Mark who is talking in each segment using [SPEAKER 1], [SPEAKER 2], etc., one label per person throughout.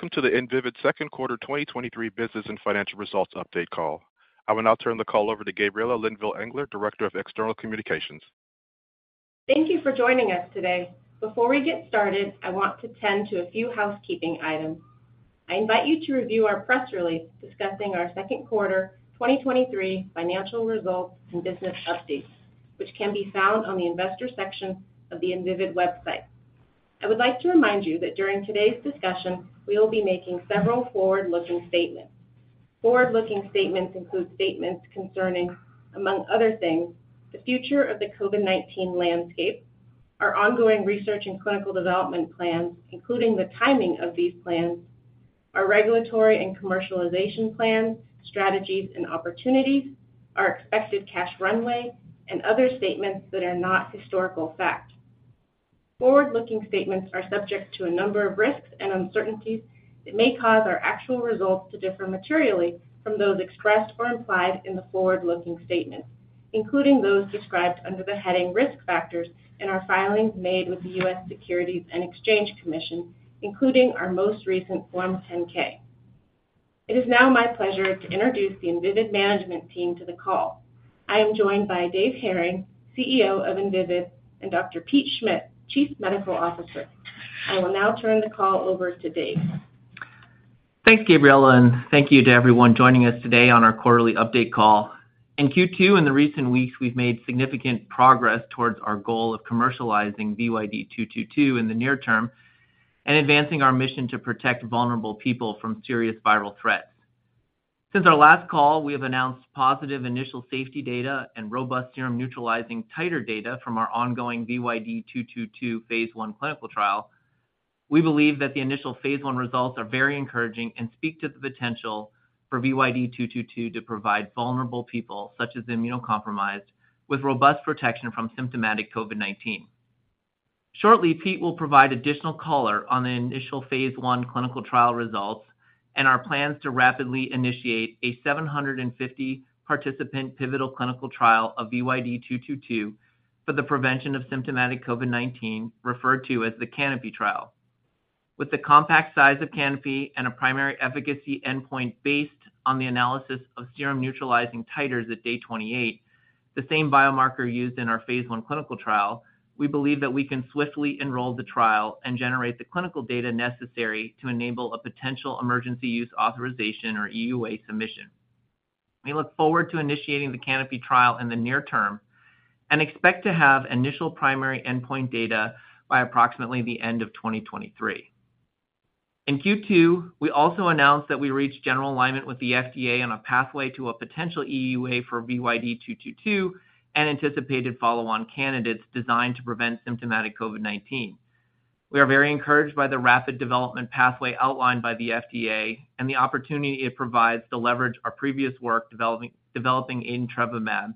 [SPEAKER 1] Welcome to the Invivyd second quarter 2023 business and financial results update call. I will now turn the call over to Gabriella Linville-Engler, Director of External Communications.
[SPEAKER 2] Thank you for joining us today. Before we get started, I want to tend to a few housekeeping items. I invite you to review our press release discussing our second quarter 2023 financial results and business updates, which can be found on the investor section of the Invivyd website. I would like to remind you that during today's discussion, we will be making several forward-looking statements. Forward-looking statements include statements concerning, among other things, the future of the COVID-19 landscape, our ongoing research and clinical development plans, including the timing of these plans, our regulatory and commercialization plans, strategies and opportunities, our expected cash runway, and other statements that are not historical fact. Forward-looking statements are subject to a number of risks and uncertainties that may cause our actual results to differ materially from those expressed or implied in the forward-looking statements, including those described under the heading Risk Factors in our filings made with the U.S. Securities and Exchange Commission, including our most recent Form 10-K. It is now my pleasure to introduce the Invivyd management team to the call. I am joined by Dave Hering, CEO of Invivyd, and Dr. Pete Schmidt, Chief Medical Officer. I will now turn the call over to Dave.
[SPEAKER 3] Thanks, Gabriela. Thank you to everyone joining us today on our quarterly update call. In Q2, in the recent weeks, we've made significant progress towards our goal of commercializing VYD-222 in the near term and advancing our mission to protect vulnerable people from serious viral threats. Since our last call, we have announced positive initial safety data and robust serum-neutralizing titer data from our ongoing VYD-222 Phase I clinical trial. We believe that the initial Phase I results are very encouraging and speak to the potential for VYD-222 to provide vulnerable people, such as immunocompromised, with robust protection from symptomatic COVID-19. Shortly, Pete will provide additional color on the initial Phase I clinical trial results and our plans to rapidly initiate a 750 participant pivotal clinical trial of VYD-222 for the prevention of symptomatic COVID-19, referred to as the CANOPY trial. With the compact size of CANOPY and a primary efficacy endpoint based on the analysis of serum neutralizing titers at day 28, the same biomarker used in our Phase I clinical trial, we believe that we can swiftly enroll the trial and generate the clinical data necessary to enable a potential Emergency Use Authorization or EUA submission. We look forward to initiating the CANOPY trial in the near term and expect to have initial primary endpoint data by approximately the end of 2023. In Q2, we also announced that we reached general alignment with the FDA on a pathway to a potential EUA for VYD-222 and anticipated follow-on candidates designed to prevent symptomatic COVID-19. We are very encouraged by the rapid development pathway outlined by the FDA and the opportunity it provides to leverage our previous work developing adintrevimab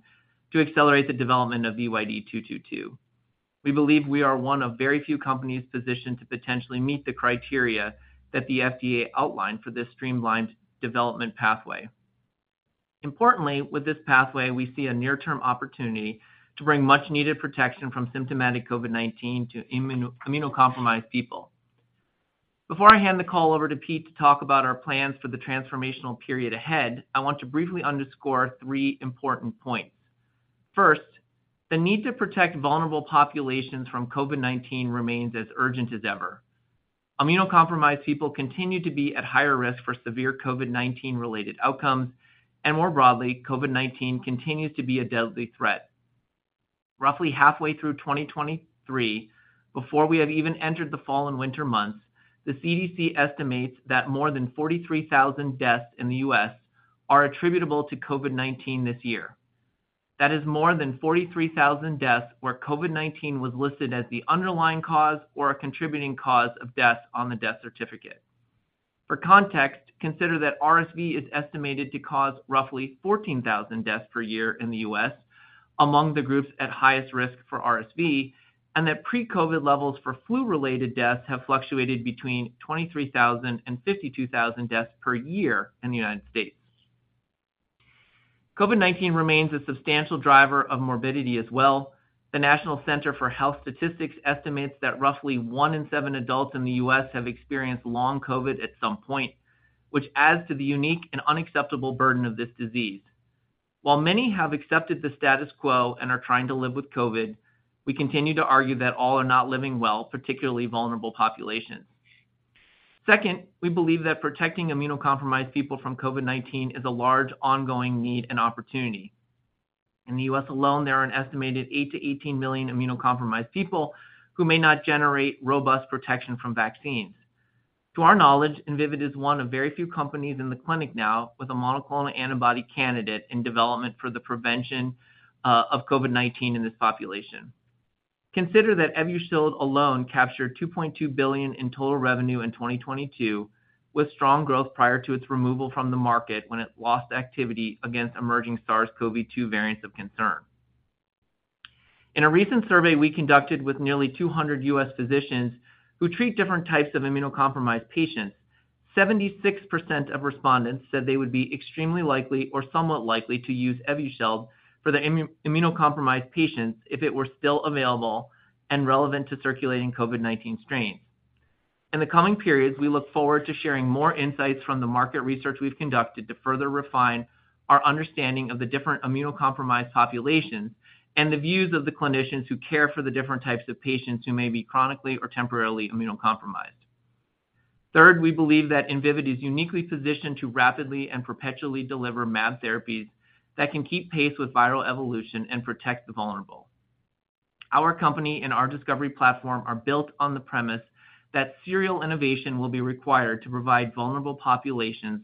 [SPEAKER 3] to accelerate the development of VYD-222. We believe we are one of very few companies positioned to potentially meet the criteria that the FDA outlined for this streamlined development pathway. Importantly, with this pathway, we see a near-term opportunity to bring much-needed protection from symptomatic COVID-19 to immunocompromised people. Before I hand the call over to Pete to talk about our plans for the transformational period ahead, I want to briefly underscore three important points. First, the need to protect vulnerable populations from COVID-19 remains as urgent as ever. Immunocompromised people continue to be at higher risk for severe COVID-19-related outcomes, and more broadly, COVID-19 continues to be a deadly threat. Roughly halfway through 2023, before we have even entered the fall and winter months, the CDC estimates that more than 43,000 deaths in the U.S. are attributable to COVID-19 this year. That is more than 43,000 deaths where COVID-19 was listed as the underlying cause or a contributing cause of death on the death certificate. For context, consider that RSV is estimated to cause roughly 14,000 deaths per year in the U.S. among the groups at highest risk for RSV, and that pre-COVID levels for flu-related deaths have fluctuated between 23,000 and 52,000 deaths per year in the United States. COVID-19 remains a substantial driver of morbidity as well. The National Center for Health Statistics estimates that roughly one in seven adults in the U.S. have experienced long COVID at some point, which adds to the unique and unacceptable burden of this disease. While many have accepted the status quo and are trying to live with COVID, we continue to argue that all are not living well, particularly vulnerable populations. Second, we believe that protecting immunocompromised people from COVID-19 is a large ongoing need and opportunity. In the U.S. alone, there are an estimated 8 million-18 million immunocompromised people who may not generate robust protection from vaccines. To our knowledge, Invivyd is one of very few companies in the clinic now with a monoclonal antibody candidate in development for the prevention of COVID-19 in this population. Consider that Evusheld alone captured $2.2 billion in total revenue in 2022, with strong growth prior to its removal from the market when it lost activity against emerging SARS-CoV-2 variants of concern. In a recent survey we conducted with nearly 200 U.S. physicians who treat different types of immunocompromised patients, 76% of respondents said they would be extremely likely or somewhat likely to use Evusheld for the immunocompromised patients if it were still available and relevant to circulating COVID-19 strains. In the coming periods, we look forward to sharing more insights from the market research we've conducted to further refine our understanding of the different immunocompromised populations and the views of the clinicians who care for the different types of patients who may be chronically or temporarily immunocompromised. Third, we believe that Invivyd is uniquely positioned to rapidly and perpetually deliver mAb therapies that can keep pace with viral evolution and protect the vulnerable. Our company and our discovery platform are built on the premise that serial innovation will be required to provide vulnerable populations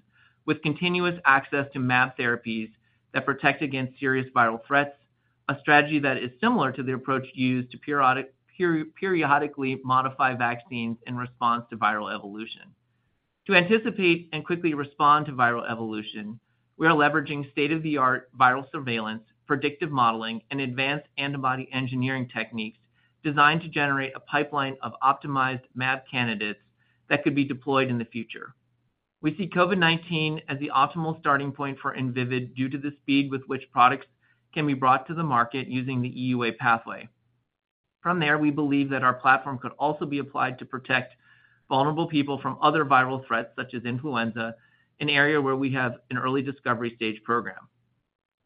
[SPEAKER 3] with continuous access to mAb therapies that protect against serious viral threats, a strategy that is similar to the approach used to peri-periodically modify vaccines in response to viral evolution. To anticipate and quickly respond to viral evolution, we are leveraging state-of-the-art viral surveillance, predictive modeling, and advanced antibody engineering techniques designed to generate a pipeline of optimized mAb candidates that could be deployed in the future. We see COVID-19 as the optimal starting point for Invivyd due to the speed with which products can be brought to the market using the EUA pathway. From there, we believe that our platform could also be applied to protect vulnerable people from other viral threats, such as influenza, an area where we have an early discovery stage program.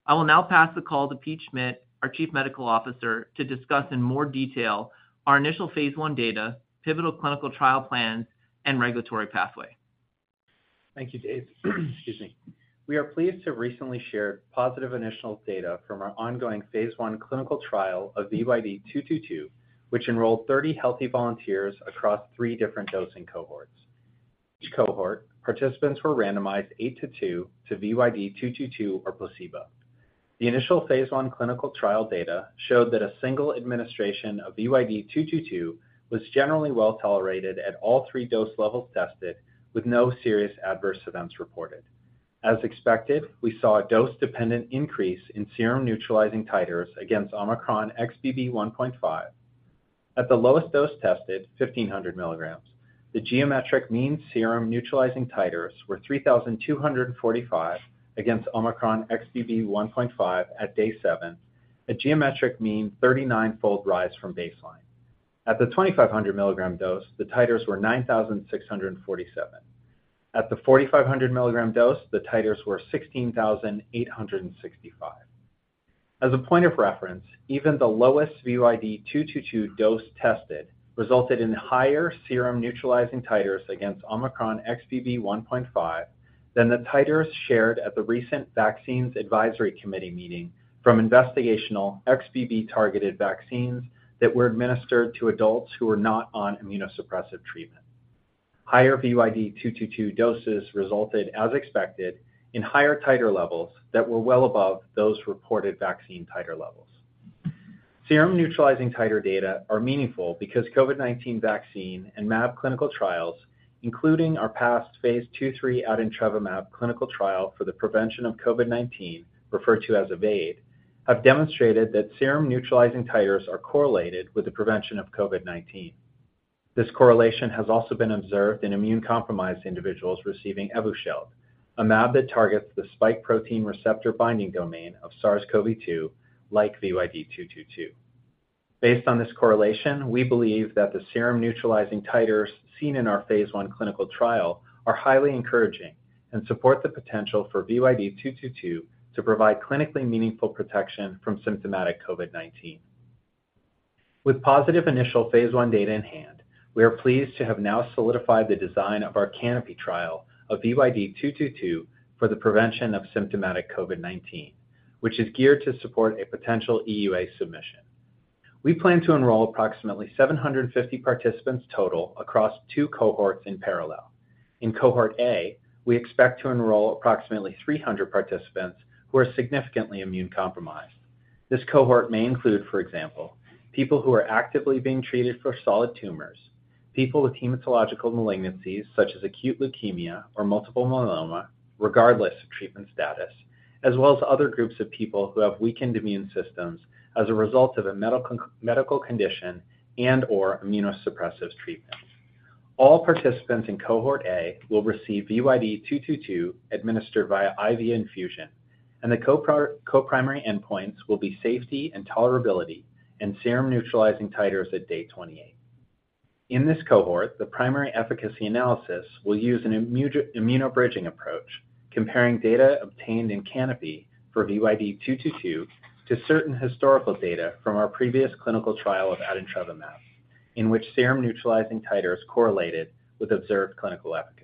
[SPEAKER 3] I will now pass the call to Pete Schmidt, our Chief Medical Officer, to discuss in more detail our initial Phase I data, pivotal clinical trial plans, and regulatory pathway.
[SPEAKER 4] Thank you, Dave. Excuse me. We are pleased to recently share positive initial data from our ongoing Phase I clinical trial of VYD-222, which enrolled 30 healthy volunteers across three different dosing cohorts. Each cohort, participants were randomized eight to two to VYD-222 or placebo. The initial Phase I clinical trial data showed that a single administration of VYD-222 was generally well-tolerated at all three dose levels tested, with no serious adverse events reported. As expected, we saw a dose-dependent increase in serum neutralizing titers against Omicron XBB.1.5. At the lowest dose tested, 1,500 milligrams, the geometric mean serum neutralizing titers were 3,245 against Omicron XBB.1.5 at day seven, a geometric mean 39-fold rise from baseline. At the 2,500 milligram dose, the titers were 9,647. At the 4,500 milligram dose, the titers were 16,865. As a point of reference, even the lowest VYD-222 dose tested resulted in higher serum neutralizing titers against Omicron XBB.1.5 than the titers shared at the recent Vaccines Advisory Committee meeting from investigational XBB-targeted vaccines that were administered to adults who were not on immunosuppressive treatment. Higher VYD-222 doses resulted, as expected, in higher titer levels that were well above those reported vaccine titer levels. Serum neutralizing titer data are meaningful because COVID-19 vaccine and mAb clinical trials, including our past Phase II/III adintrevimab clinical trial for the prevention of COVID-19, referred to as EVADE, have demonstrated that serum neutralizing titers are correlated with the prevention of COVID-19. This correlation has also been observed in immune-compromised individuals receiving Evusheld, a mAb that targets the spike protein receptor-binding domain of SARS-CoV-2, like VYD-222. Based on this correlation, we believe that the serum neutralizing titers seen in our Phase I clinical trial are highly encouraging and support the potential for VYD-222 to provide clinically meaningful protection from symptomatic COVID-19. With positive initial Phase I data in hand, we are pleased to have now solidified the design of our CANOPY trial of VYD-222 for the prevention of symptomatic COVID-19, which is geared to support a potential EUA submission. We plan to enroll approximately 750 participants total across 2 cohorts in parallel. In cohort A, we expect to enroll approximately 300 participants who are significantly immune-compromised. This cohort may include, for example, people who are actively being treated for solid tumors, people with hematological malignancies such as acute leukemia or multiple myeloma, regardless of treatment status, as well as other groups of people who have weakened immune systems as a result of a medical condition and/or immunosuppressive treatment. All participants in cohort A will receive VYD-222 administered via IV infusion, and the co-primary endpoints will be safety and tolerability and serum neutralizing titers at day 28. In this cohort, the primary efficacy analysis will use an immunobridging approach, comparing data obtained in CANOPY for VYD-222 to certain historical data from our previous clinical trial of adintrevimab, in which serum neutralizing titers correlated with observed clinical efficacy.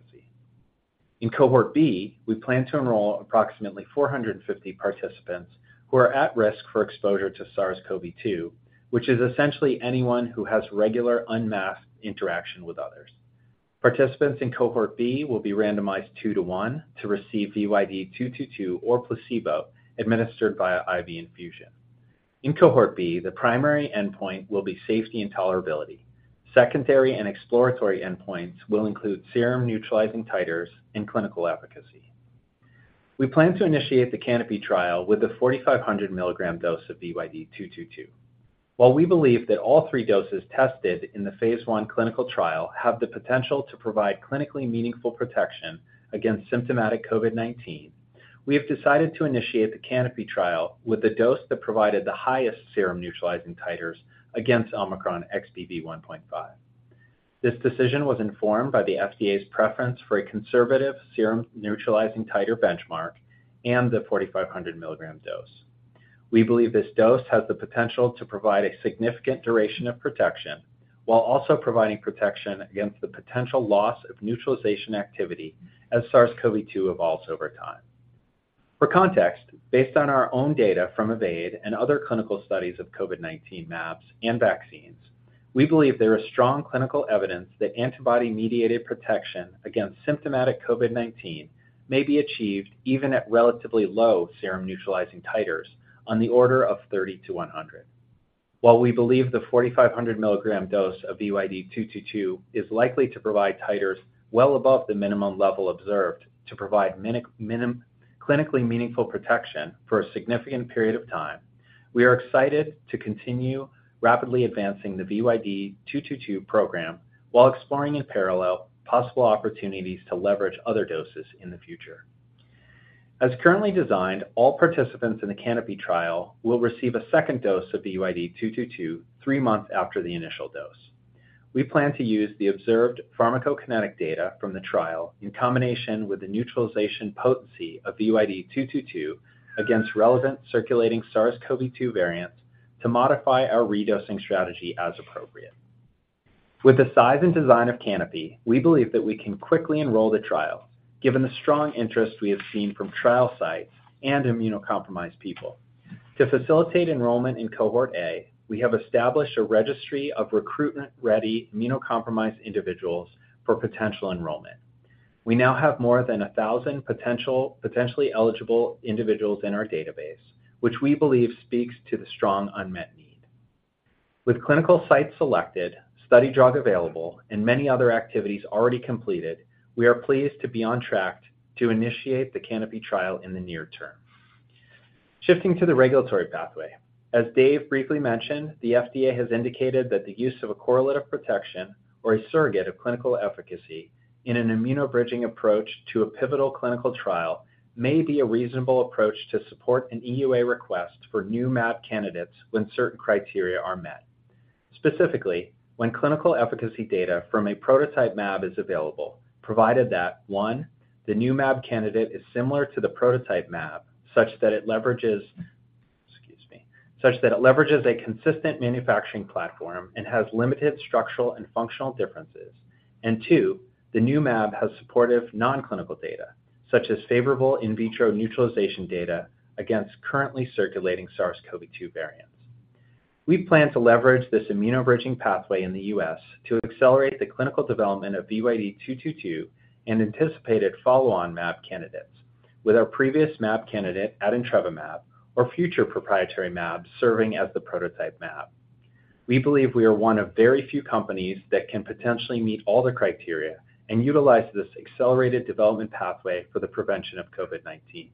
[SPEAKER 4] In cohort B, we plan to enroll approximately 450 participants who are at risk for exposure to SARS-CoV-2, which is essentially anyone who has regular unmasked interaction with others. Participants in cohort B will be randomized 2 to 1 to receive VYD-222 or placebo, administered via IV infusion. In cohort B, the primary endpoint will be safety and tolerability. Secondary and exploratory endpoints will include serum neutralizing titers and clinical efficacy. We plan to initiate the CANOPY trial with a 4,500 milligram dose of VYD-222. While we believe that all three doses tested in the Phase I clinical trial have the potential to provide clinically meaningful protection against symptomatic COVID-19, we have decided to initiate the CANOPY trial with a dose that provided the highest serum neutralizing titers against Omicron XBB.1.5.... This decision was informed by the FDA's preference for a conservative serum neutralizing titer benchmark and the 4,500 milligram dose. We believe this dose has the potential to provide a significant duration of protection, while also providing protection against the potential loss of neutralization activity as SARS-CoV-2 evolves over time. For context, based on our own data from EVADE and other clinical studies of COVID-19 mAbs and vaccines, we believe there is strong clinical evidence that antibody-mediated protection against symptomatic COVID-19 may be achieved even at relatively low serum neutralizing titers on the order of 30-100. While we believe the 4,500 milligram dose of VYD-222 is likely to provide titers well above the minimum level observed to provide clinically meaningful protection for a significant period of time, we are excited to continue rapidly advancing the VYD-222 program while exploring in parallel possible opportunities to leverage other doses in the future. As currently designed, all participants in the CANOPY trial will receive a second dose of the VYD-222 3 months after the initial dose. We plan to use the observed pharmacokinetic data from the trial in combination with the neutralization potency of VYD-222 against relevant circulating SARS-CoV-2 variants to modify our redosing strategy as appropriate. With the size and design of CANOPY, we believe that we can quickly enroll the trial, given the strong interest we have seen from trial sites and immunocompromised people. To facilitate enrollment in cohort A, we have established a registry of recruitment-ready immunocompromised individuals for potential enrollment. We now have more than 1,000 potentially eligible individuals in our database, which we believe speaks to the strong unmet need. With clinical sites selected, study drug available, and many other activities already completed, we are pleased to be on track to initiate the CANOPY trial in the near term. Shifting to the regulatory pathway, as Dave briefly mentioned, the FDA has indicated that the use of a correlative protection or a surrogate of clinical efficacy in an immunobridging approach to a pivotal clinical trial may be a reasonable approach to support an EUA request for new mAb candidates when certain criteria are met. Specifically, when clinical efficacy data from a prototype mAb is available, provided that, 1, the new mAb candidate is similar to the prototype mAb, such that it leverages, excuse me, such that it leverages a consistent manufacturing platform and has limited structural and functional differences. 2, the new mAb has supportive nonclinical data, such as favorable in vitro neutralization data against currently circulating SARS-CoV-2 variants. We plan to leverage this immunobridging pathway in the U.S. to accelerate the clinical development of VYD-222 and anticipated follow-on mAb candidates, with our previous mAb candidate, adintrevimab, or future proprietary mAbs serving as the prototype mAb. We believe we are one of very few companies that can potentially meet all the criteria and utilize this accelerated development pathway for the prevention of COVID-19.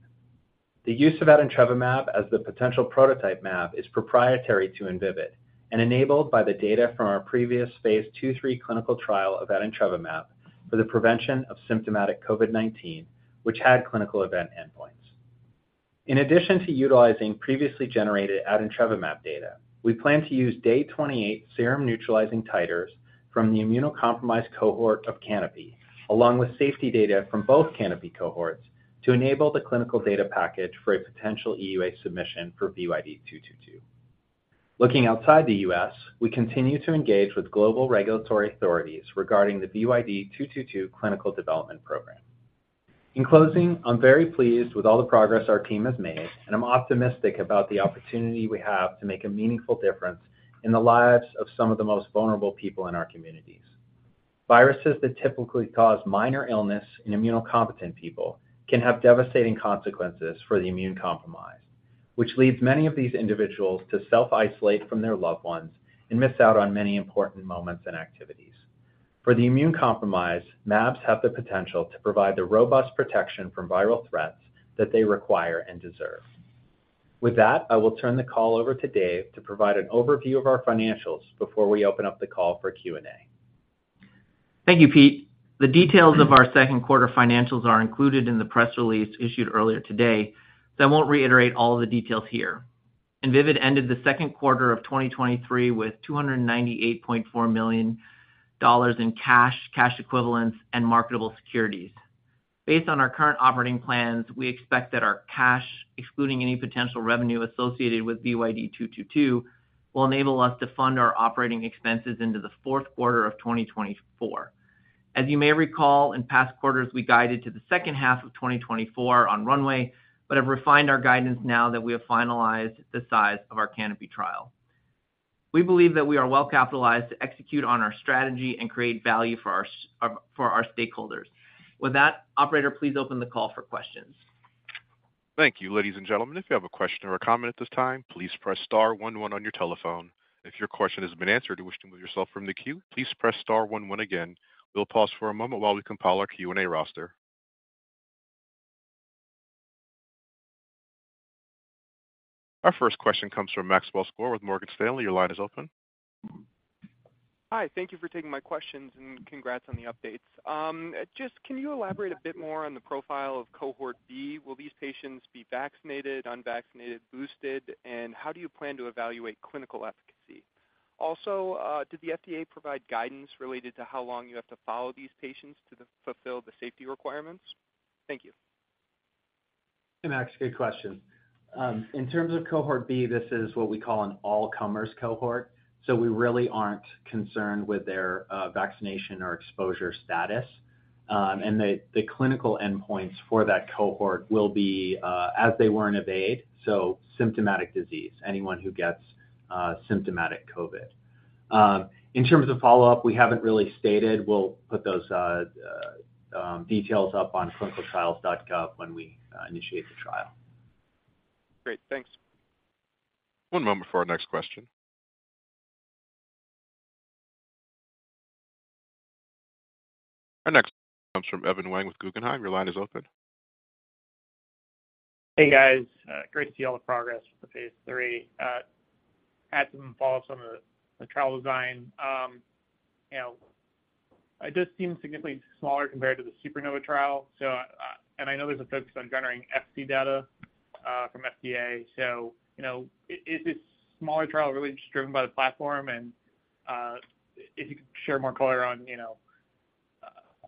[SPEAKER 4] The use of adintrevimab as the potential prototype mAb is proprietary to Invivyd and enabled by the data from our previous Phase II/III clinical trial of adintrevimab for the prevention of symptomatic COVID-19, which had clinical event endpoints. In addition to utilizing previously generated adintrevimab data, we plan to use day 28 serum neutralizing titers from the immunocompromised cohort of CANOPY, along with safety data from both CANOPY cohorts, to enable the clinical data package for a potential EUA submission for VYD-222. Looking outside the U.S., we continue to engage with global regulatory authorities regarding the VYD-222 clinical development program. In closing, I'm very pleased with all the progress our team has made, and I'm optimistic about the opportunity we have to make a meaningful difference in the lives of some of the most vulnerable people in our communities. Viruses that typically cause minor illness in immunocompetent people can have devastating consequences for the immune-compromised, which leads many of these individuals to self-isolate from their loved ones and miss out on many important moments and activities. For the immune-compromised, mAbs have the potential to provide the robust protection from viral threats that they require and deserve. With that, I will turn the call over to Dave to provide an overview of our financials before we open up the call for Q&A.
[SPEAKER 3] Thank you, Pete. The details of our second quarter financials are included in the press release issued earlier today. I won't reiterate all of the details here. Invivyd ended the second quarter of 2023 with $298.4 million in cash, cash equivalents, and marketable securities. Based on our current operating plans, we expect that our cash, excluding any potential revenue associated with VYD-222, will enable us to fund our operating expenses into the fourth quarter of 2024. As you may recall, in past quarters, we guided to the second half of 2024 on runway. We have refined our guidance now that we have finalized the size of our CANOPY trial. We believe that we are well capitalized to execute on our strategy and create value for our for our stakeholders. With that, operator, please open the call for questions.
[SPEAKER 1] Thank you. Ladies and gentlemen, if you have a question or a comment at this time, please press star one one on your telephone. If your question has been answered or wish to move yourself from the queue, please press star one one again. We'll pause for a moment while we compile our Q&A roster. Our first question comes from Maxwell Skor with Morgan Stanley. Your line is open.
[SPEAKER 5] Hi, thank you for taking my questions. Congrats on the updates. Just can you elaborate a bit more on the profile of Cohort B? Will these patients be vaccinated, unvaccinated, boosted, and how do you plan to evaluate clinical efficacy? Also, did the FDA provide guidance related to how long you have to follow these patients to fulfill the safety requirements? Thank you....
[SPEAKER 4] Hey, Max, good question. In terms of cohort B, this is what we call an all-comers cohort, so we really aren't concerned with their vaccination or exposure status. The, the clinical endpoints for that cohort will be as they were in EVADE, so symptomatic disease, anyone who gets symptomatic COVID-19. In terms of follow-up, we haven't really stated. We'll put those details up on ClinicalTrials.gov when we initiate the trial.
[SPEAKER 1] Great. Thanks. One moment for our next question. Our next comes from Evan Wang with Guggenheim. Your line is open.
[SPEAKER 6] Hey, guys. great to see all the progress with the Phase III. I had to follow up on the, the trial design. you know, it does seem significantly smaller compared to the SUPERNOVA trial. And I know there's a focus on generating FC data from FDA. you know, is this smaller trial really just driven by the platform? if you could share more color on, you know,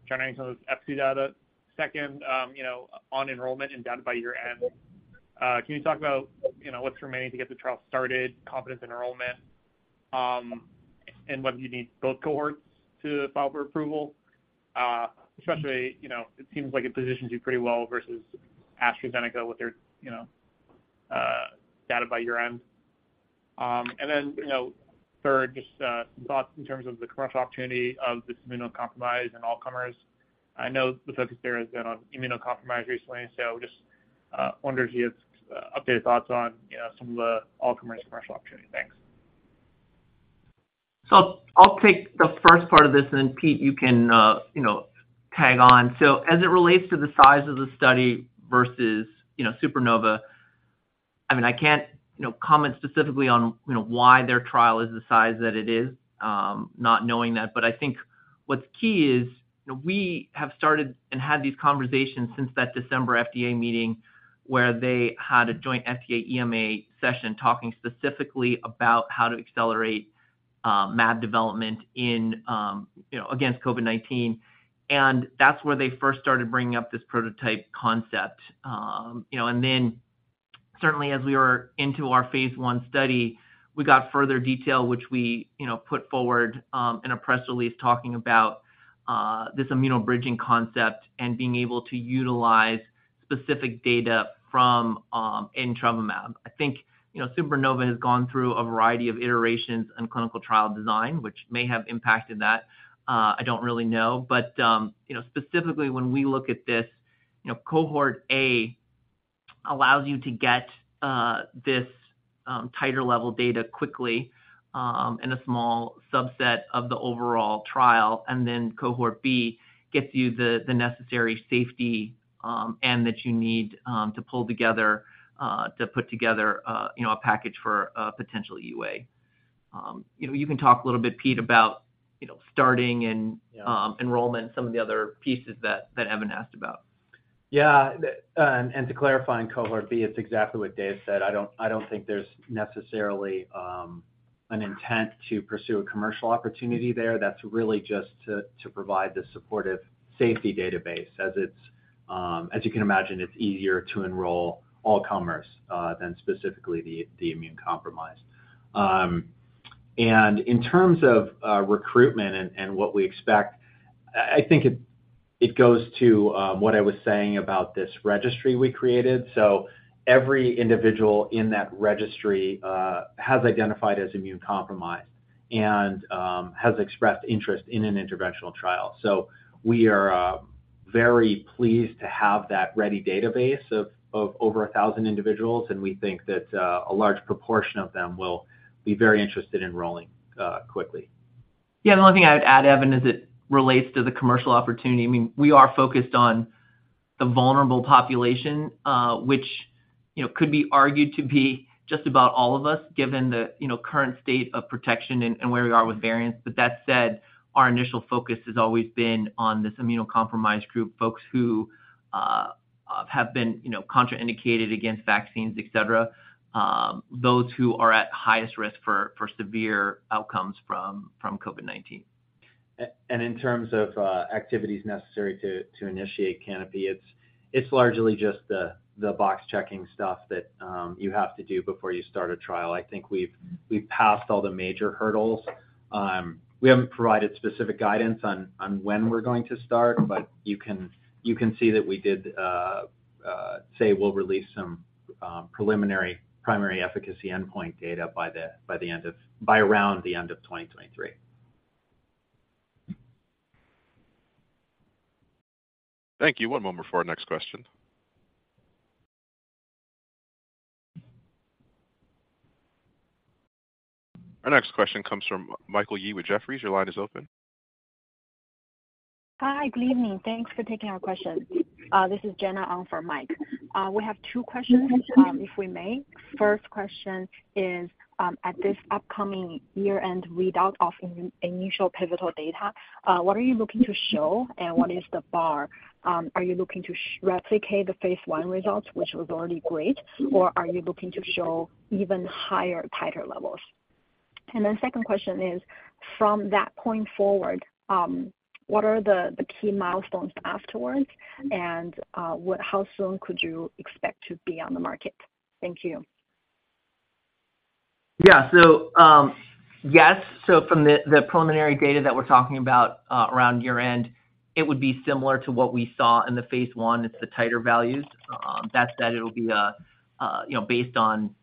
[SPEAKER 6] generating some of those FC data. Second, you know, on enrollment and data by year-end, can you talk about, you know, what's remaining to get the trial started, confidence in enrollment, and whether you need both cohorts to file for approval? especially, you know, it seems like it positions you pretty well versus AstraZeneca with their, you know, data by year-end. You know, third, just thoughts in terms of the commercial opportunity of this immunocompromised and all comers. I know the focus there has been on immunocompromised recently, so just wondered if you had updated thoughts on, you know, some of the all-comers commercial opportunity. Thanks.
[SPEAKER 3] I'll take the first part of this, and then, Pete, you can, you know, tag on. As it relates to the size of the study versus, you know, SUPERNOVA, I mean, I can't, you know, comment specifically on, you know, why their trial is the size that it is, not knowing that. I think what's key is, you know, we have started and had these conversations since that December FDA meeting, where they had a joint FDA EMA session talking specifically about how to accelerate, mAb development in, you know, against COVID-19. That's where they first started bringing up this prototype concept. You know, then certainly as we were into our Phase I study, we got further detail, which we, you know, put forward in a press release talking about this immunobridging concept and being able to utilize specific data from adintrevimab. I think, you know, SUPERNOVA has gone through a variety of iterations in clinical trial design, which may have impacted that, I don't really know. You know, specifically when we look at this, you know, cohort A allows you to get this titer-level data quickly in a small subset of the overall trial, and then cohort B gets you the, the necessary safety, and that you need to pull together to put together, you know, a package for a potential EUA. You know, you can talk a little bit, Pete, about, you know, starting and enrollment, some of the other pieces that, that Evan asked about.
[SPEAKER 4] Yeah, to clarify on cohort B, it's exactly what Dave said. I don't, I don't think there's necessarily an intent to pursue a commercial opportunity there. That's really just to provide the supportive safety database as it's. As you can imagine, it's easier to enroll all comers than specifically the immune-compromised. In terms of recruitment and what we expect, I, I think it goes to what I was saying about this registry we created. Every individual in that registry has identified as immune-compromised and has expressed interest in an interventional trial. We are very pleased to have that ready database of over 1,000 individuals, and we think that a large proportion of them will be very interested in enrolling quickly.
[SPEAKER 3] Yeah, the only thing I would add, Evan, as it relates to the commercial opportunity, I mean, we are focused on the vulnerable population, which, you know, could be argued to be just about all of us, given the, you know, current state of protection and where we are with variants. That said, our initial focus has always been on this immunocompromised group, folks who have been, you know, contraindicated against vaccines, et cetera, those who are at highest risk for severe outcomes from COVID-19.
[SPEAKER 4] In terms of activities necessary to, to initiate CANOPY, it's, it's largely just the box-checking stuff that you have to do before you start a trial. I think we've, we've passed all the major hurdles. We haven't provided specific guidance on, on when we're going to start, but you can, you can see that we did say we'll release some preliminary primary efficacy endpoint data by the end of, by around the end of 2023.
[SPEAKER 1] Thank you. One moment before our next question. Our next question comes from Michael Yee with Jefferies. Your line is open.
[SPEAKER 7] Hi, good evening. Thanks for taking our question. This is Jenna on for Mike. We have two questions, if we may. First question is: at this upcoming year-end readout of initial pivotal data, what are you looking to show, and what is the bar? Are you looking to replicate the Phase I results, which was already great, or are you looking to show even higher titer levels? The second question is, from that point forward, what are the, the key milestones afterwards? How soon could you expect to be on the market? Thank you.
[SPEAKER 3] From the preliminary data that we're talking about around year-end, it would be similar to what we saw in the Phase I. It's the titer values. That's that it'll be, you know, based on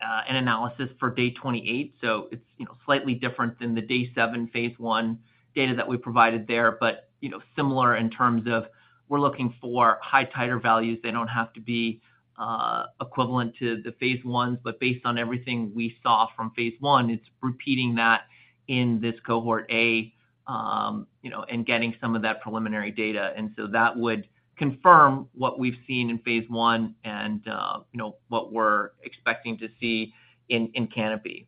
[SPEAKER 3] an analysis for day 28, so it's, you know, slightly different than the day 7 Phase I data that we provided there. You know, similar in terms of we're looking for high titer values. They don't have to be equivalent to the Phase Is, but based on everything we saw from Phase I, it's repeating that in this cohort A, you know, and getting some of that preliminary data. That would confirm what we've seen in Phase I and, you know, what we're expecting to see in CANOPY.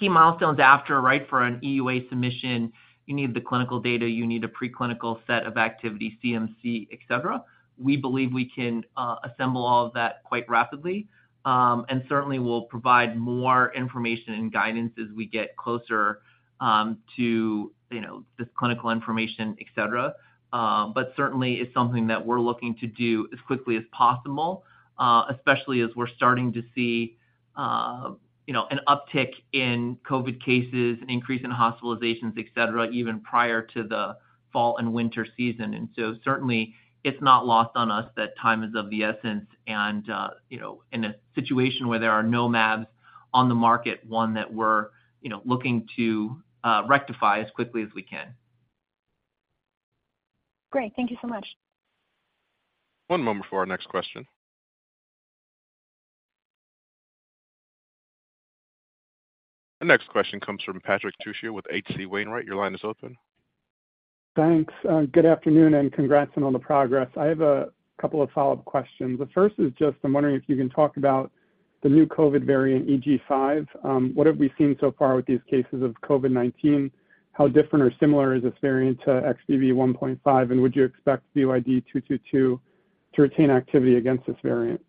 [SPEAKER 3] Key milestones after, right, for an EUA submission, you need the clinical data, you need a preclinical set of activity, CMC, et cetera. We believe we can assemble all of that quite rapidly. Certainly we'll provide more information and guidance as we get closer to, you know, this clinical information, et cetera. Certainly it's something that we're looking to do as quickly as possible, especially as we're starting to see, you know, an uptick in COVID cases, an increase in hospitalizations, et cetera, even prior to the fall and winter season. Certainly it's not lost on us that time is of the essence and, you know, in a situation where there are no mAbs on the market, one that we're, you know, looking to rectify as quickly as we can.
[SPEAKER 7] Great. Thank you so much.
[SPEAKER 1] One moment for our next question. The next question comes from Patrick Trucchio with H.C. Wainwright. Your line is open.
[SPEAKER 8] Thanks, good afternoon, and congrats on all the progress. I have a couple of follow-up questions. The first is just I'm wondering if you can talk about the new COVID variant, EG.5. What have we seen so far with these cases of COVID-19? How different or similar is this variant to XBB.1.5, and would you expect VYD-222 to retain activity against this variant?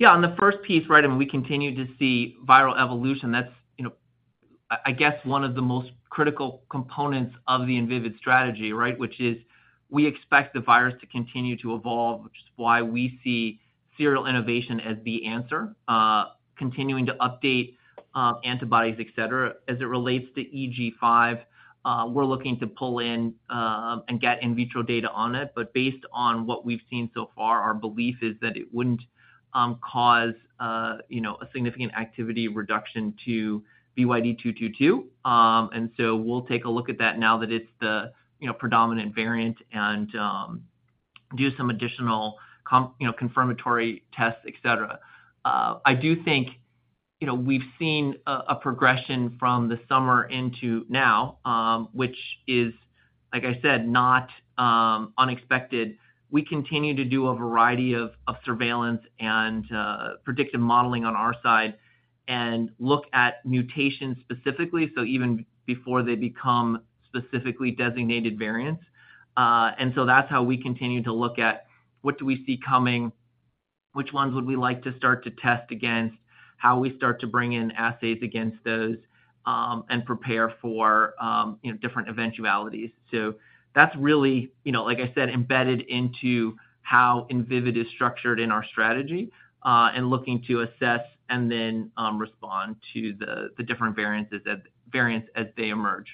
[SPEAKER 3] Yeah, on the first piece, right, and we continue to see viral evolution. That's, you know, I, I guess one of the most critical components of the Invivyd strategy, right? Which is we expect the virus to continue to evolve, which is why we see serial innovation as the answer, continuing to update antibodies, et cetera. As it relates to EG.5, we're looking to pull in and get in vitro data on it, but based on what we've seen so far, our belief is that it wouldn't cause, you know, a significant activity reduction to VYD-222. So we'll take a look at that now that it's the, you know, predominant variant and do some additional com- you know, confirmatory tests, et cetera. I do think, you know, we've seen a, a progression from the summer into now, which is, like I said, not unexpected. We continue to do a variety of, of surveillance and predictive modeling on our side and look at mutations specifically, so even before they become specifically designated variants. That's how we continue to look at what do we see coming, which ones would we like to start to test against, how we start to bring in assays against those, and prepare for, you know, different eventualities. That's really, you know, like I said, embedded into how Invivyd is structured in our strategy, and looking to assess and then respond to the different variants as they emerge.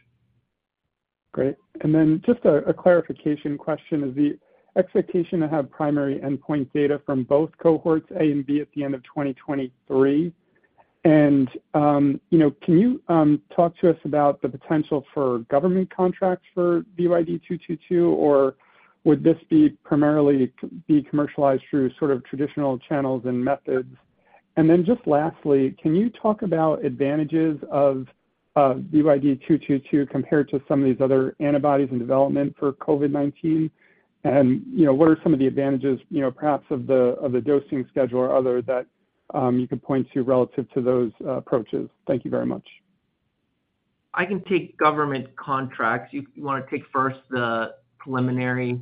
[SPEAKER 8] Great. Then just a, a clarification question. Is the expectation to have primary endpoint data from both cohorts A and B at the end of 2023? You know, can you talk to us about the potential for government contracts for VYD-222, or would this be primarily be commercialized through sort of traditional channels and methods? Then just lastly, can you talk about advantages of VYD-222 compared to some of these other antibodies in development for COVID-19? You know, what are some of the advantages, you know, perhaps of the, of the dosing schedule or other that you could point to relative to those approaches? Thank you very much.
[SPEAKER 3] I can take government contracts. You, you want to take first the preliminary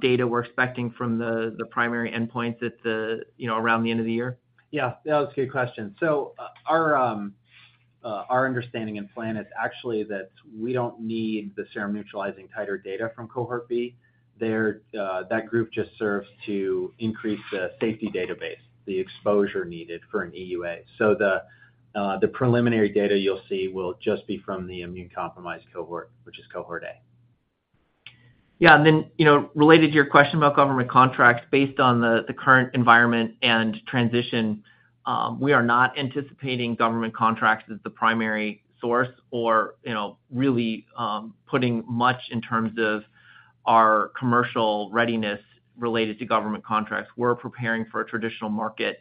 [SPEAKER 3] data we're expecting from the primary endpoints at the, you know, around the end of the year?
[SPEAKER 4] Yeah. Yeah, that was a good question. Our understanding and plan is actually that we don't need the serum neutralizing titers data from cohort B. There, that group just serves to increase the safety database, the exposure needed for an EUA. The preliminary data you'll see will just be from the immune-compromised cohort, which is cohort A.
[SPEAKER 3] Yeah, and then, you know, related to your question about government contracts, based on the, the current environment and transition, we are not anticipating government contracts as the primary source or, you know, really, putting much in terms of our commercial readiness related to government contracts. We're preparing for a traditional market,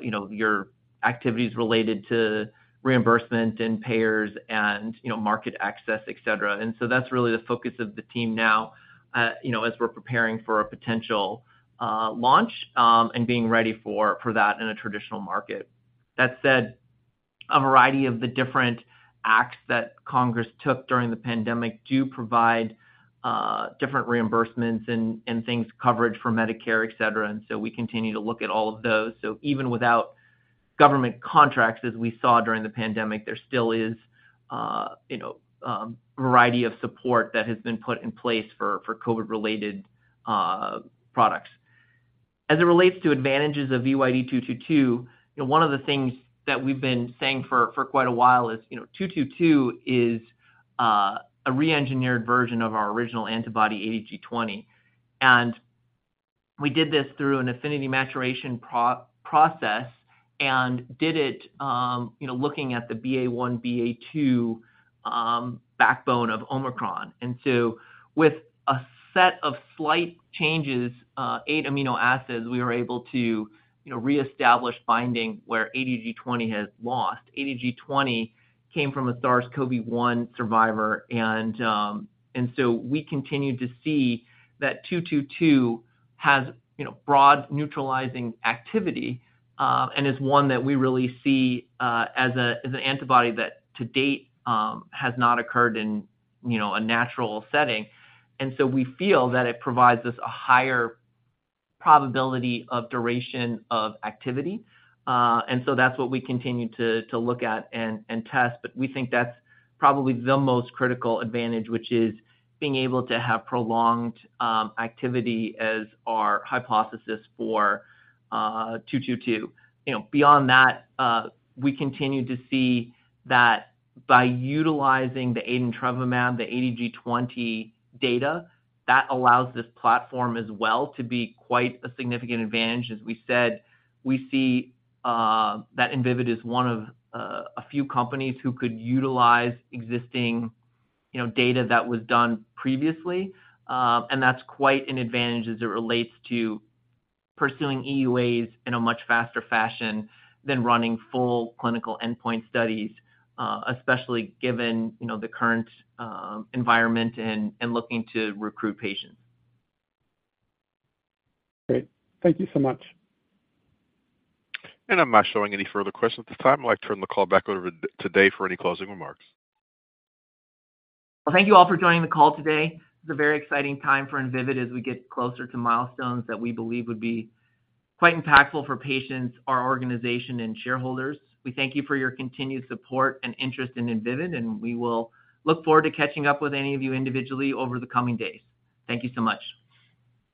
[SPEAKER 3] you know, your activities related to reimbursement and payers and, you know, market access, et cetera. That's really the focus of the team now, you know, as we're preparing for a potential, launch, and being ready for, for that in a traditional market. That said, a variety of the different acts that Congress took during the pandemic do provide, different reimbursements and, and things, coverage for Medicare, et cetera. We continue to look at all of those. Even without government contracts, as we saw during the pandemic, there still is, you know, variety of support that has been put in place for COVID-related products. As it relates to advantages of VYD-222, one of the things that we've been saying for quite a while is, you know, 222 is a reengineered version of our original antibody, ADG20. We did this through an affinity maturation process and did it, you know, looking at the BA.1, BA.2 backbone of Omicron. With a set of slight changes, 8 amino acids, we were able to, you know, reestablish binding where ADG20 has lost. ADG20 came from a SARS-CoV-1 survivor, and so we continued to see that 222 has, you know, broad neutralizing activity and is one that we really see as an antibody that to date has not occurred in, you know, a natural setting. We feel that it provides us a higher probability of duration of activity, and so that's what we continue to look at and test. We think that's probably the most critical advantage, which is being able to have prolonged activity as our hypothesis for 222. You know, beyond that, we continue to see that by utilizing the adintrevimab, the ADG20 data, that allows this platform as well to be quite a significant advantage. As we said, we see, that Invivyd is one of a few companies who could utilize existing, you know, data that was done previously. That's quite an advantage as it relates to pursuing EUAs in a much faster fashion than running full clinical endpoint studies, especially given, you know, the current environment and looking to recruit patients.
[SPEAKER 8] Great. Thank you so much.
[SPEAKER 1] I'm not showing any further questions at this time. I'd like to turn the call back over to Dave for any closing remarks.
[SPEAKER 3] Well, thank you all for joining the call today. It's a very exciting time for Invivyd as we get closer to milestones that we believe would be quite impactful for patients, our organization, and shareholders. We thank you for your continued support and interest in Invivyd. We will look forward to catching up with any of you individually over the coming days. Thank you so much.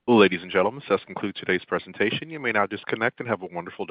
[SPEAKER 1] Ladies and gentlemen, this concludes today's presentation. You may now disconnect and have a wonderful day.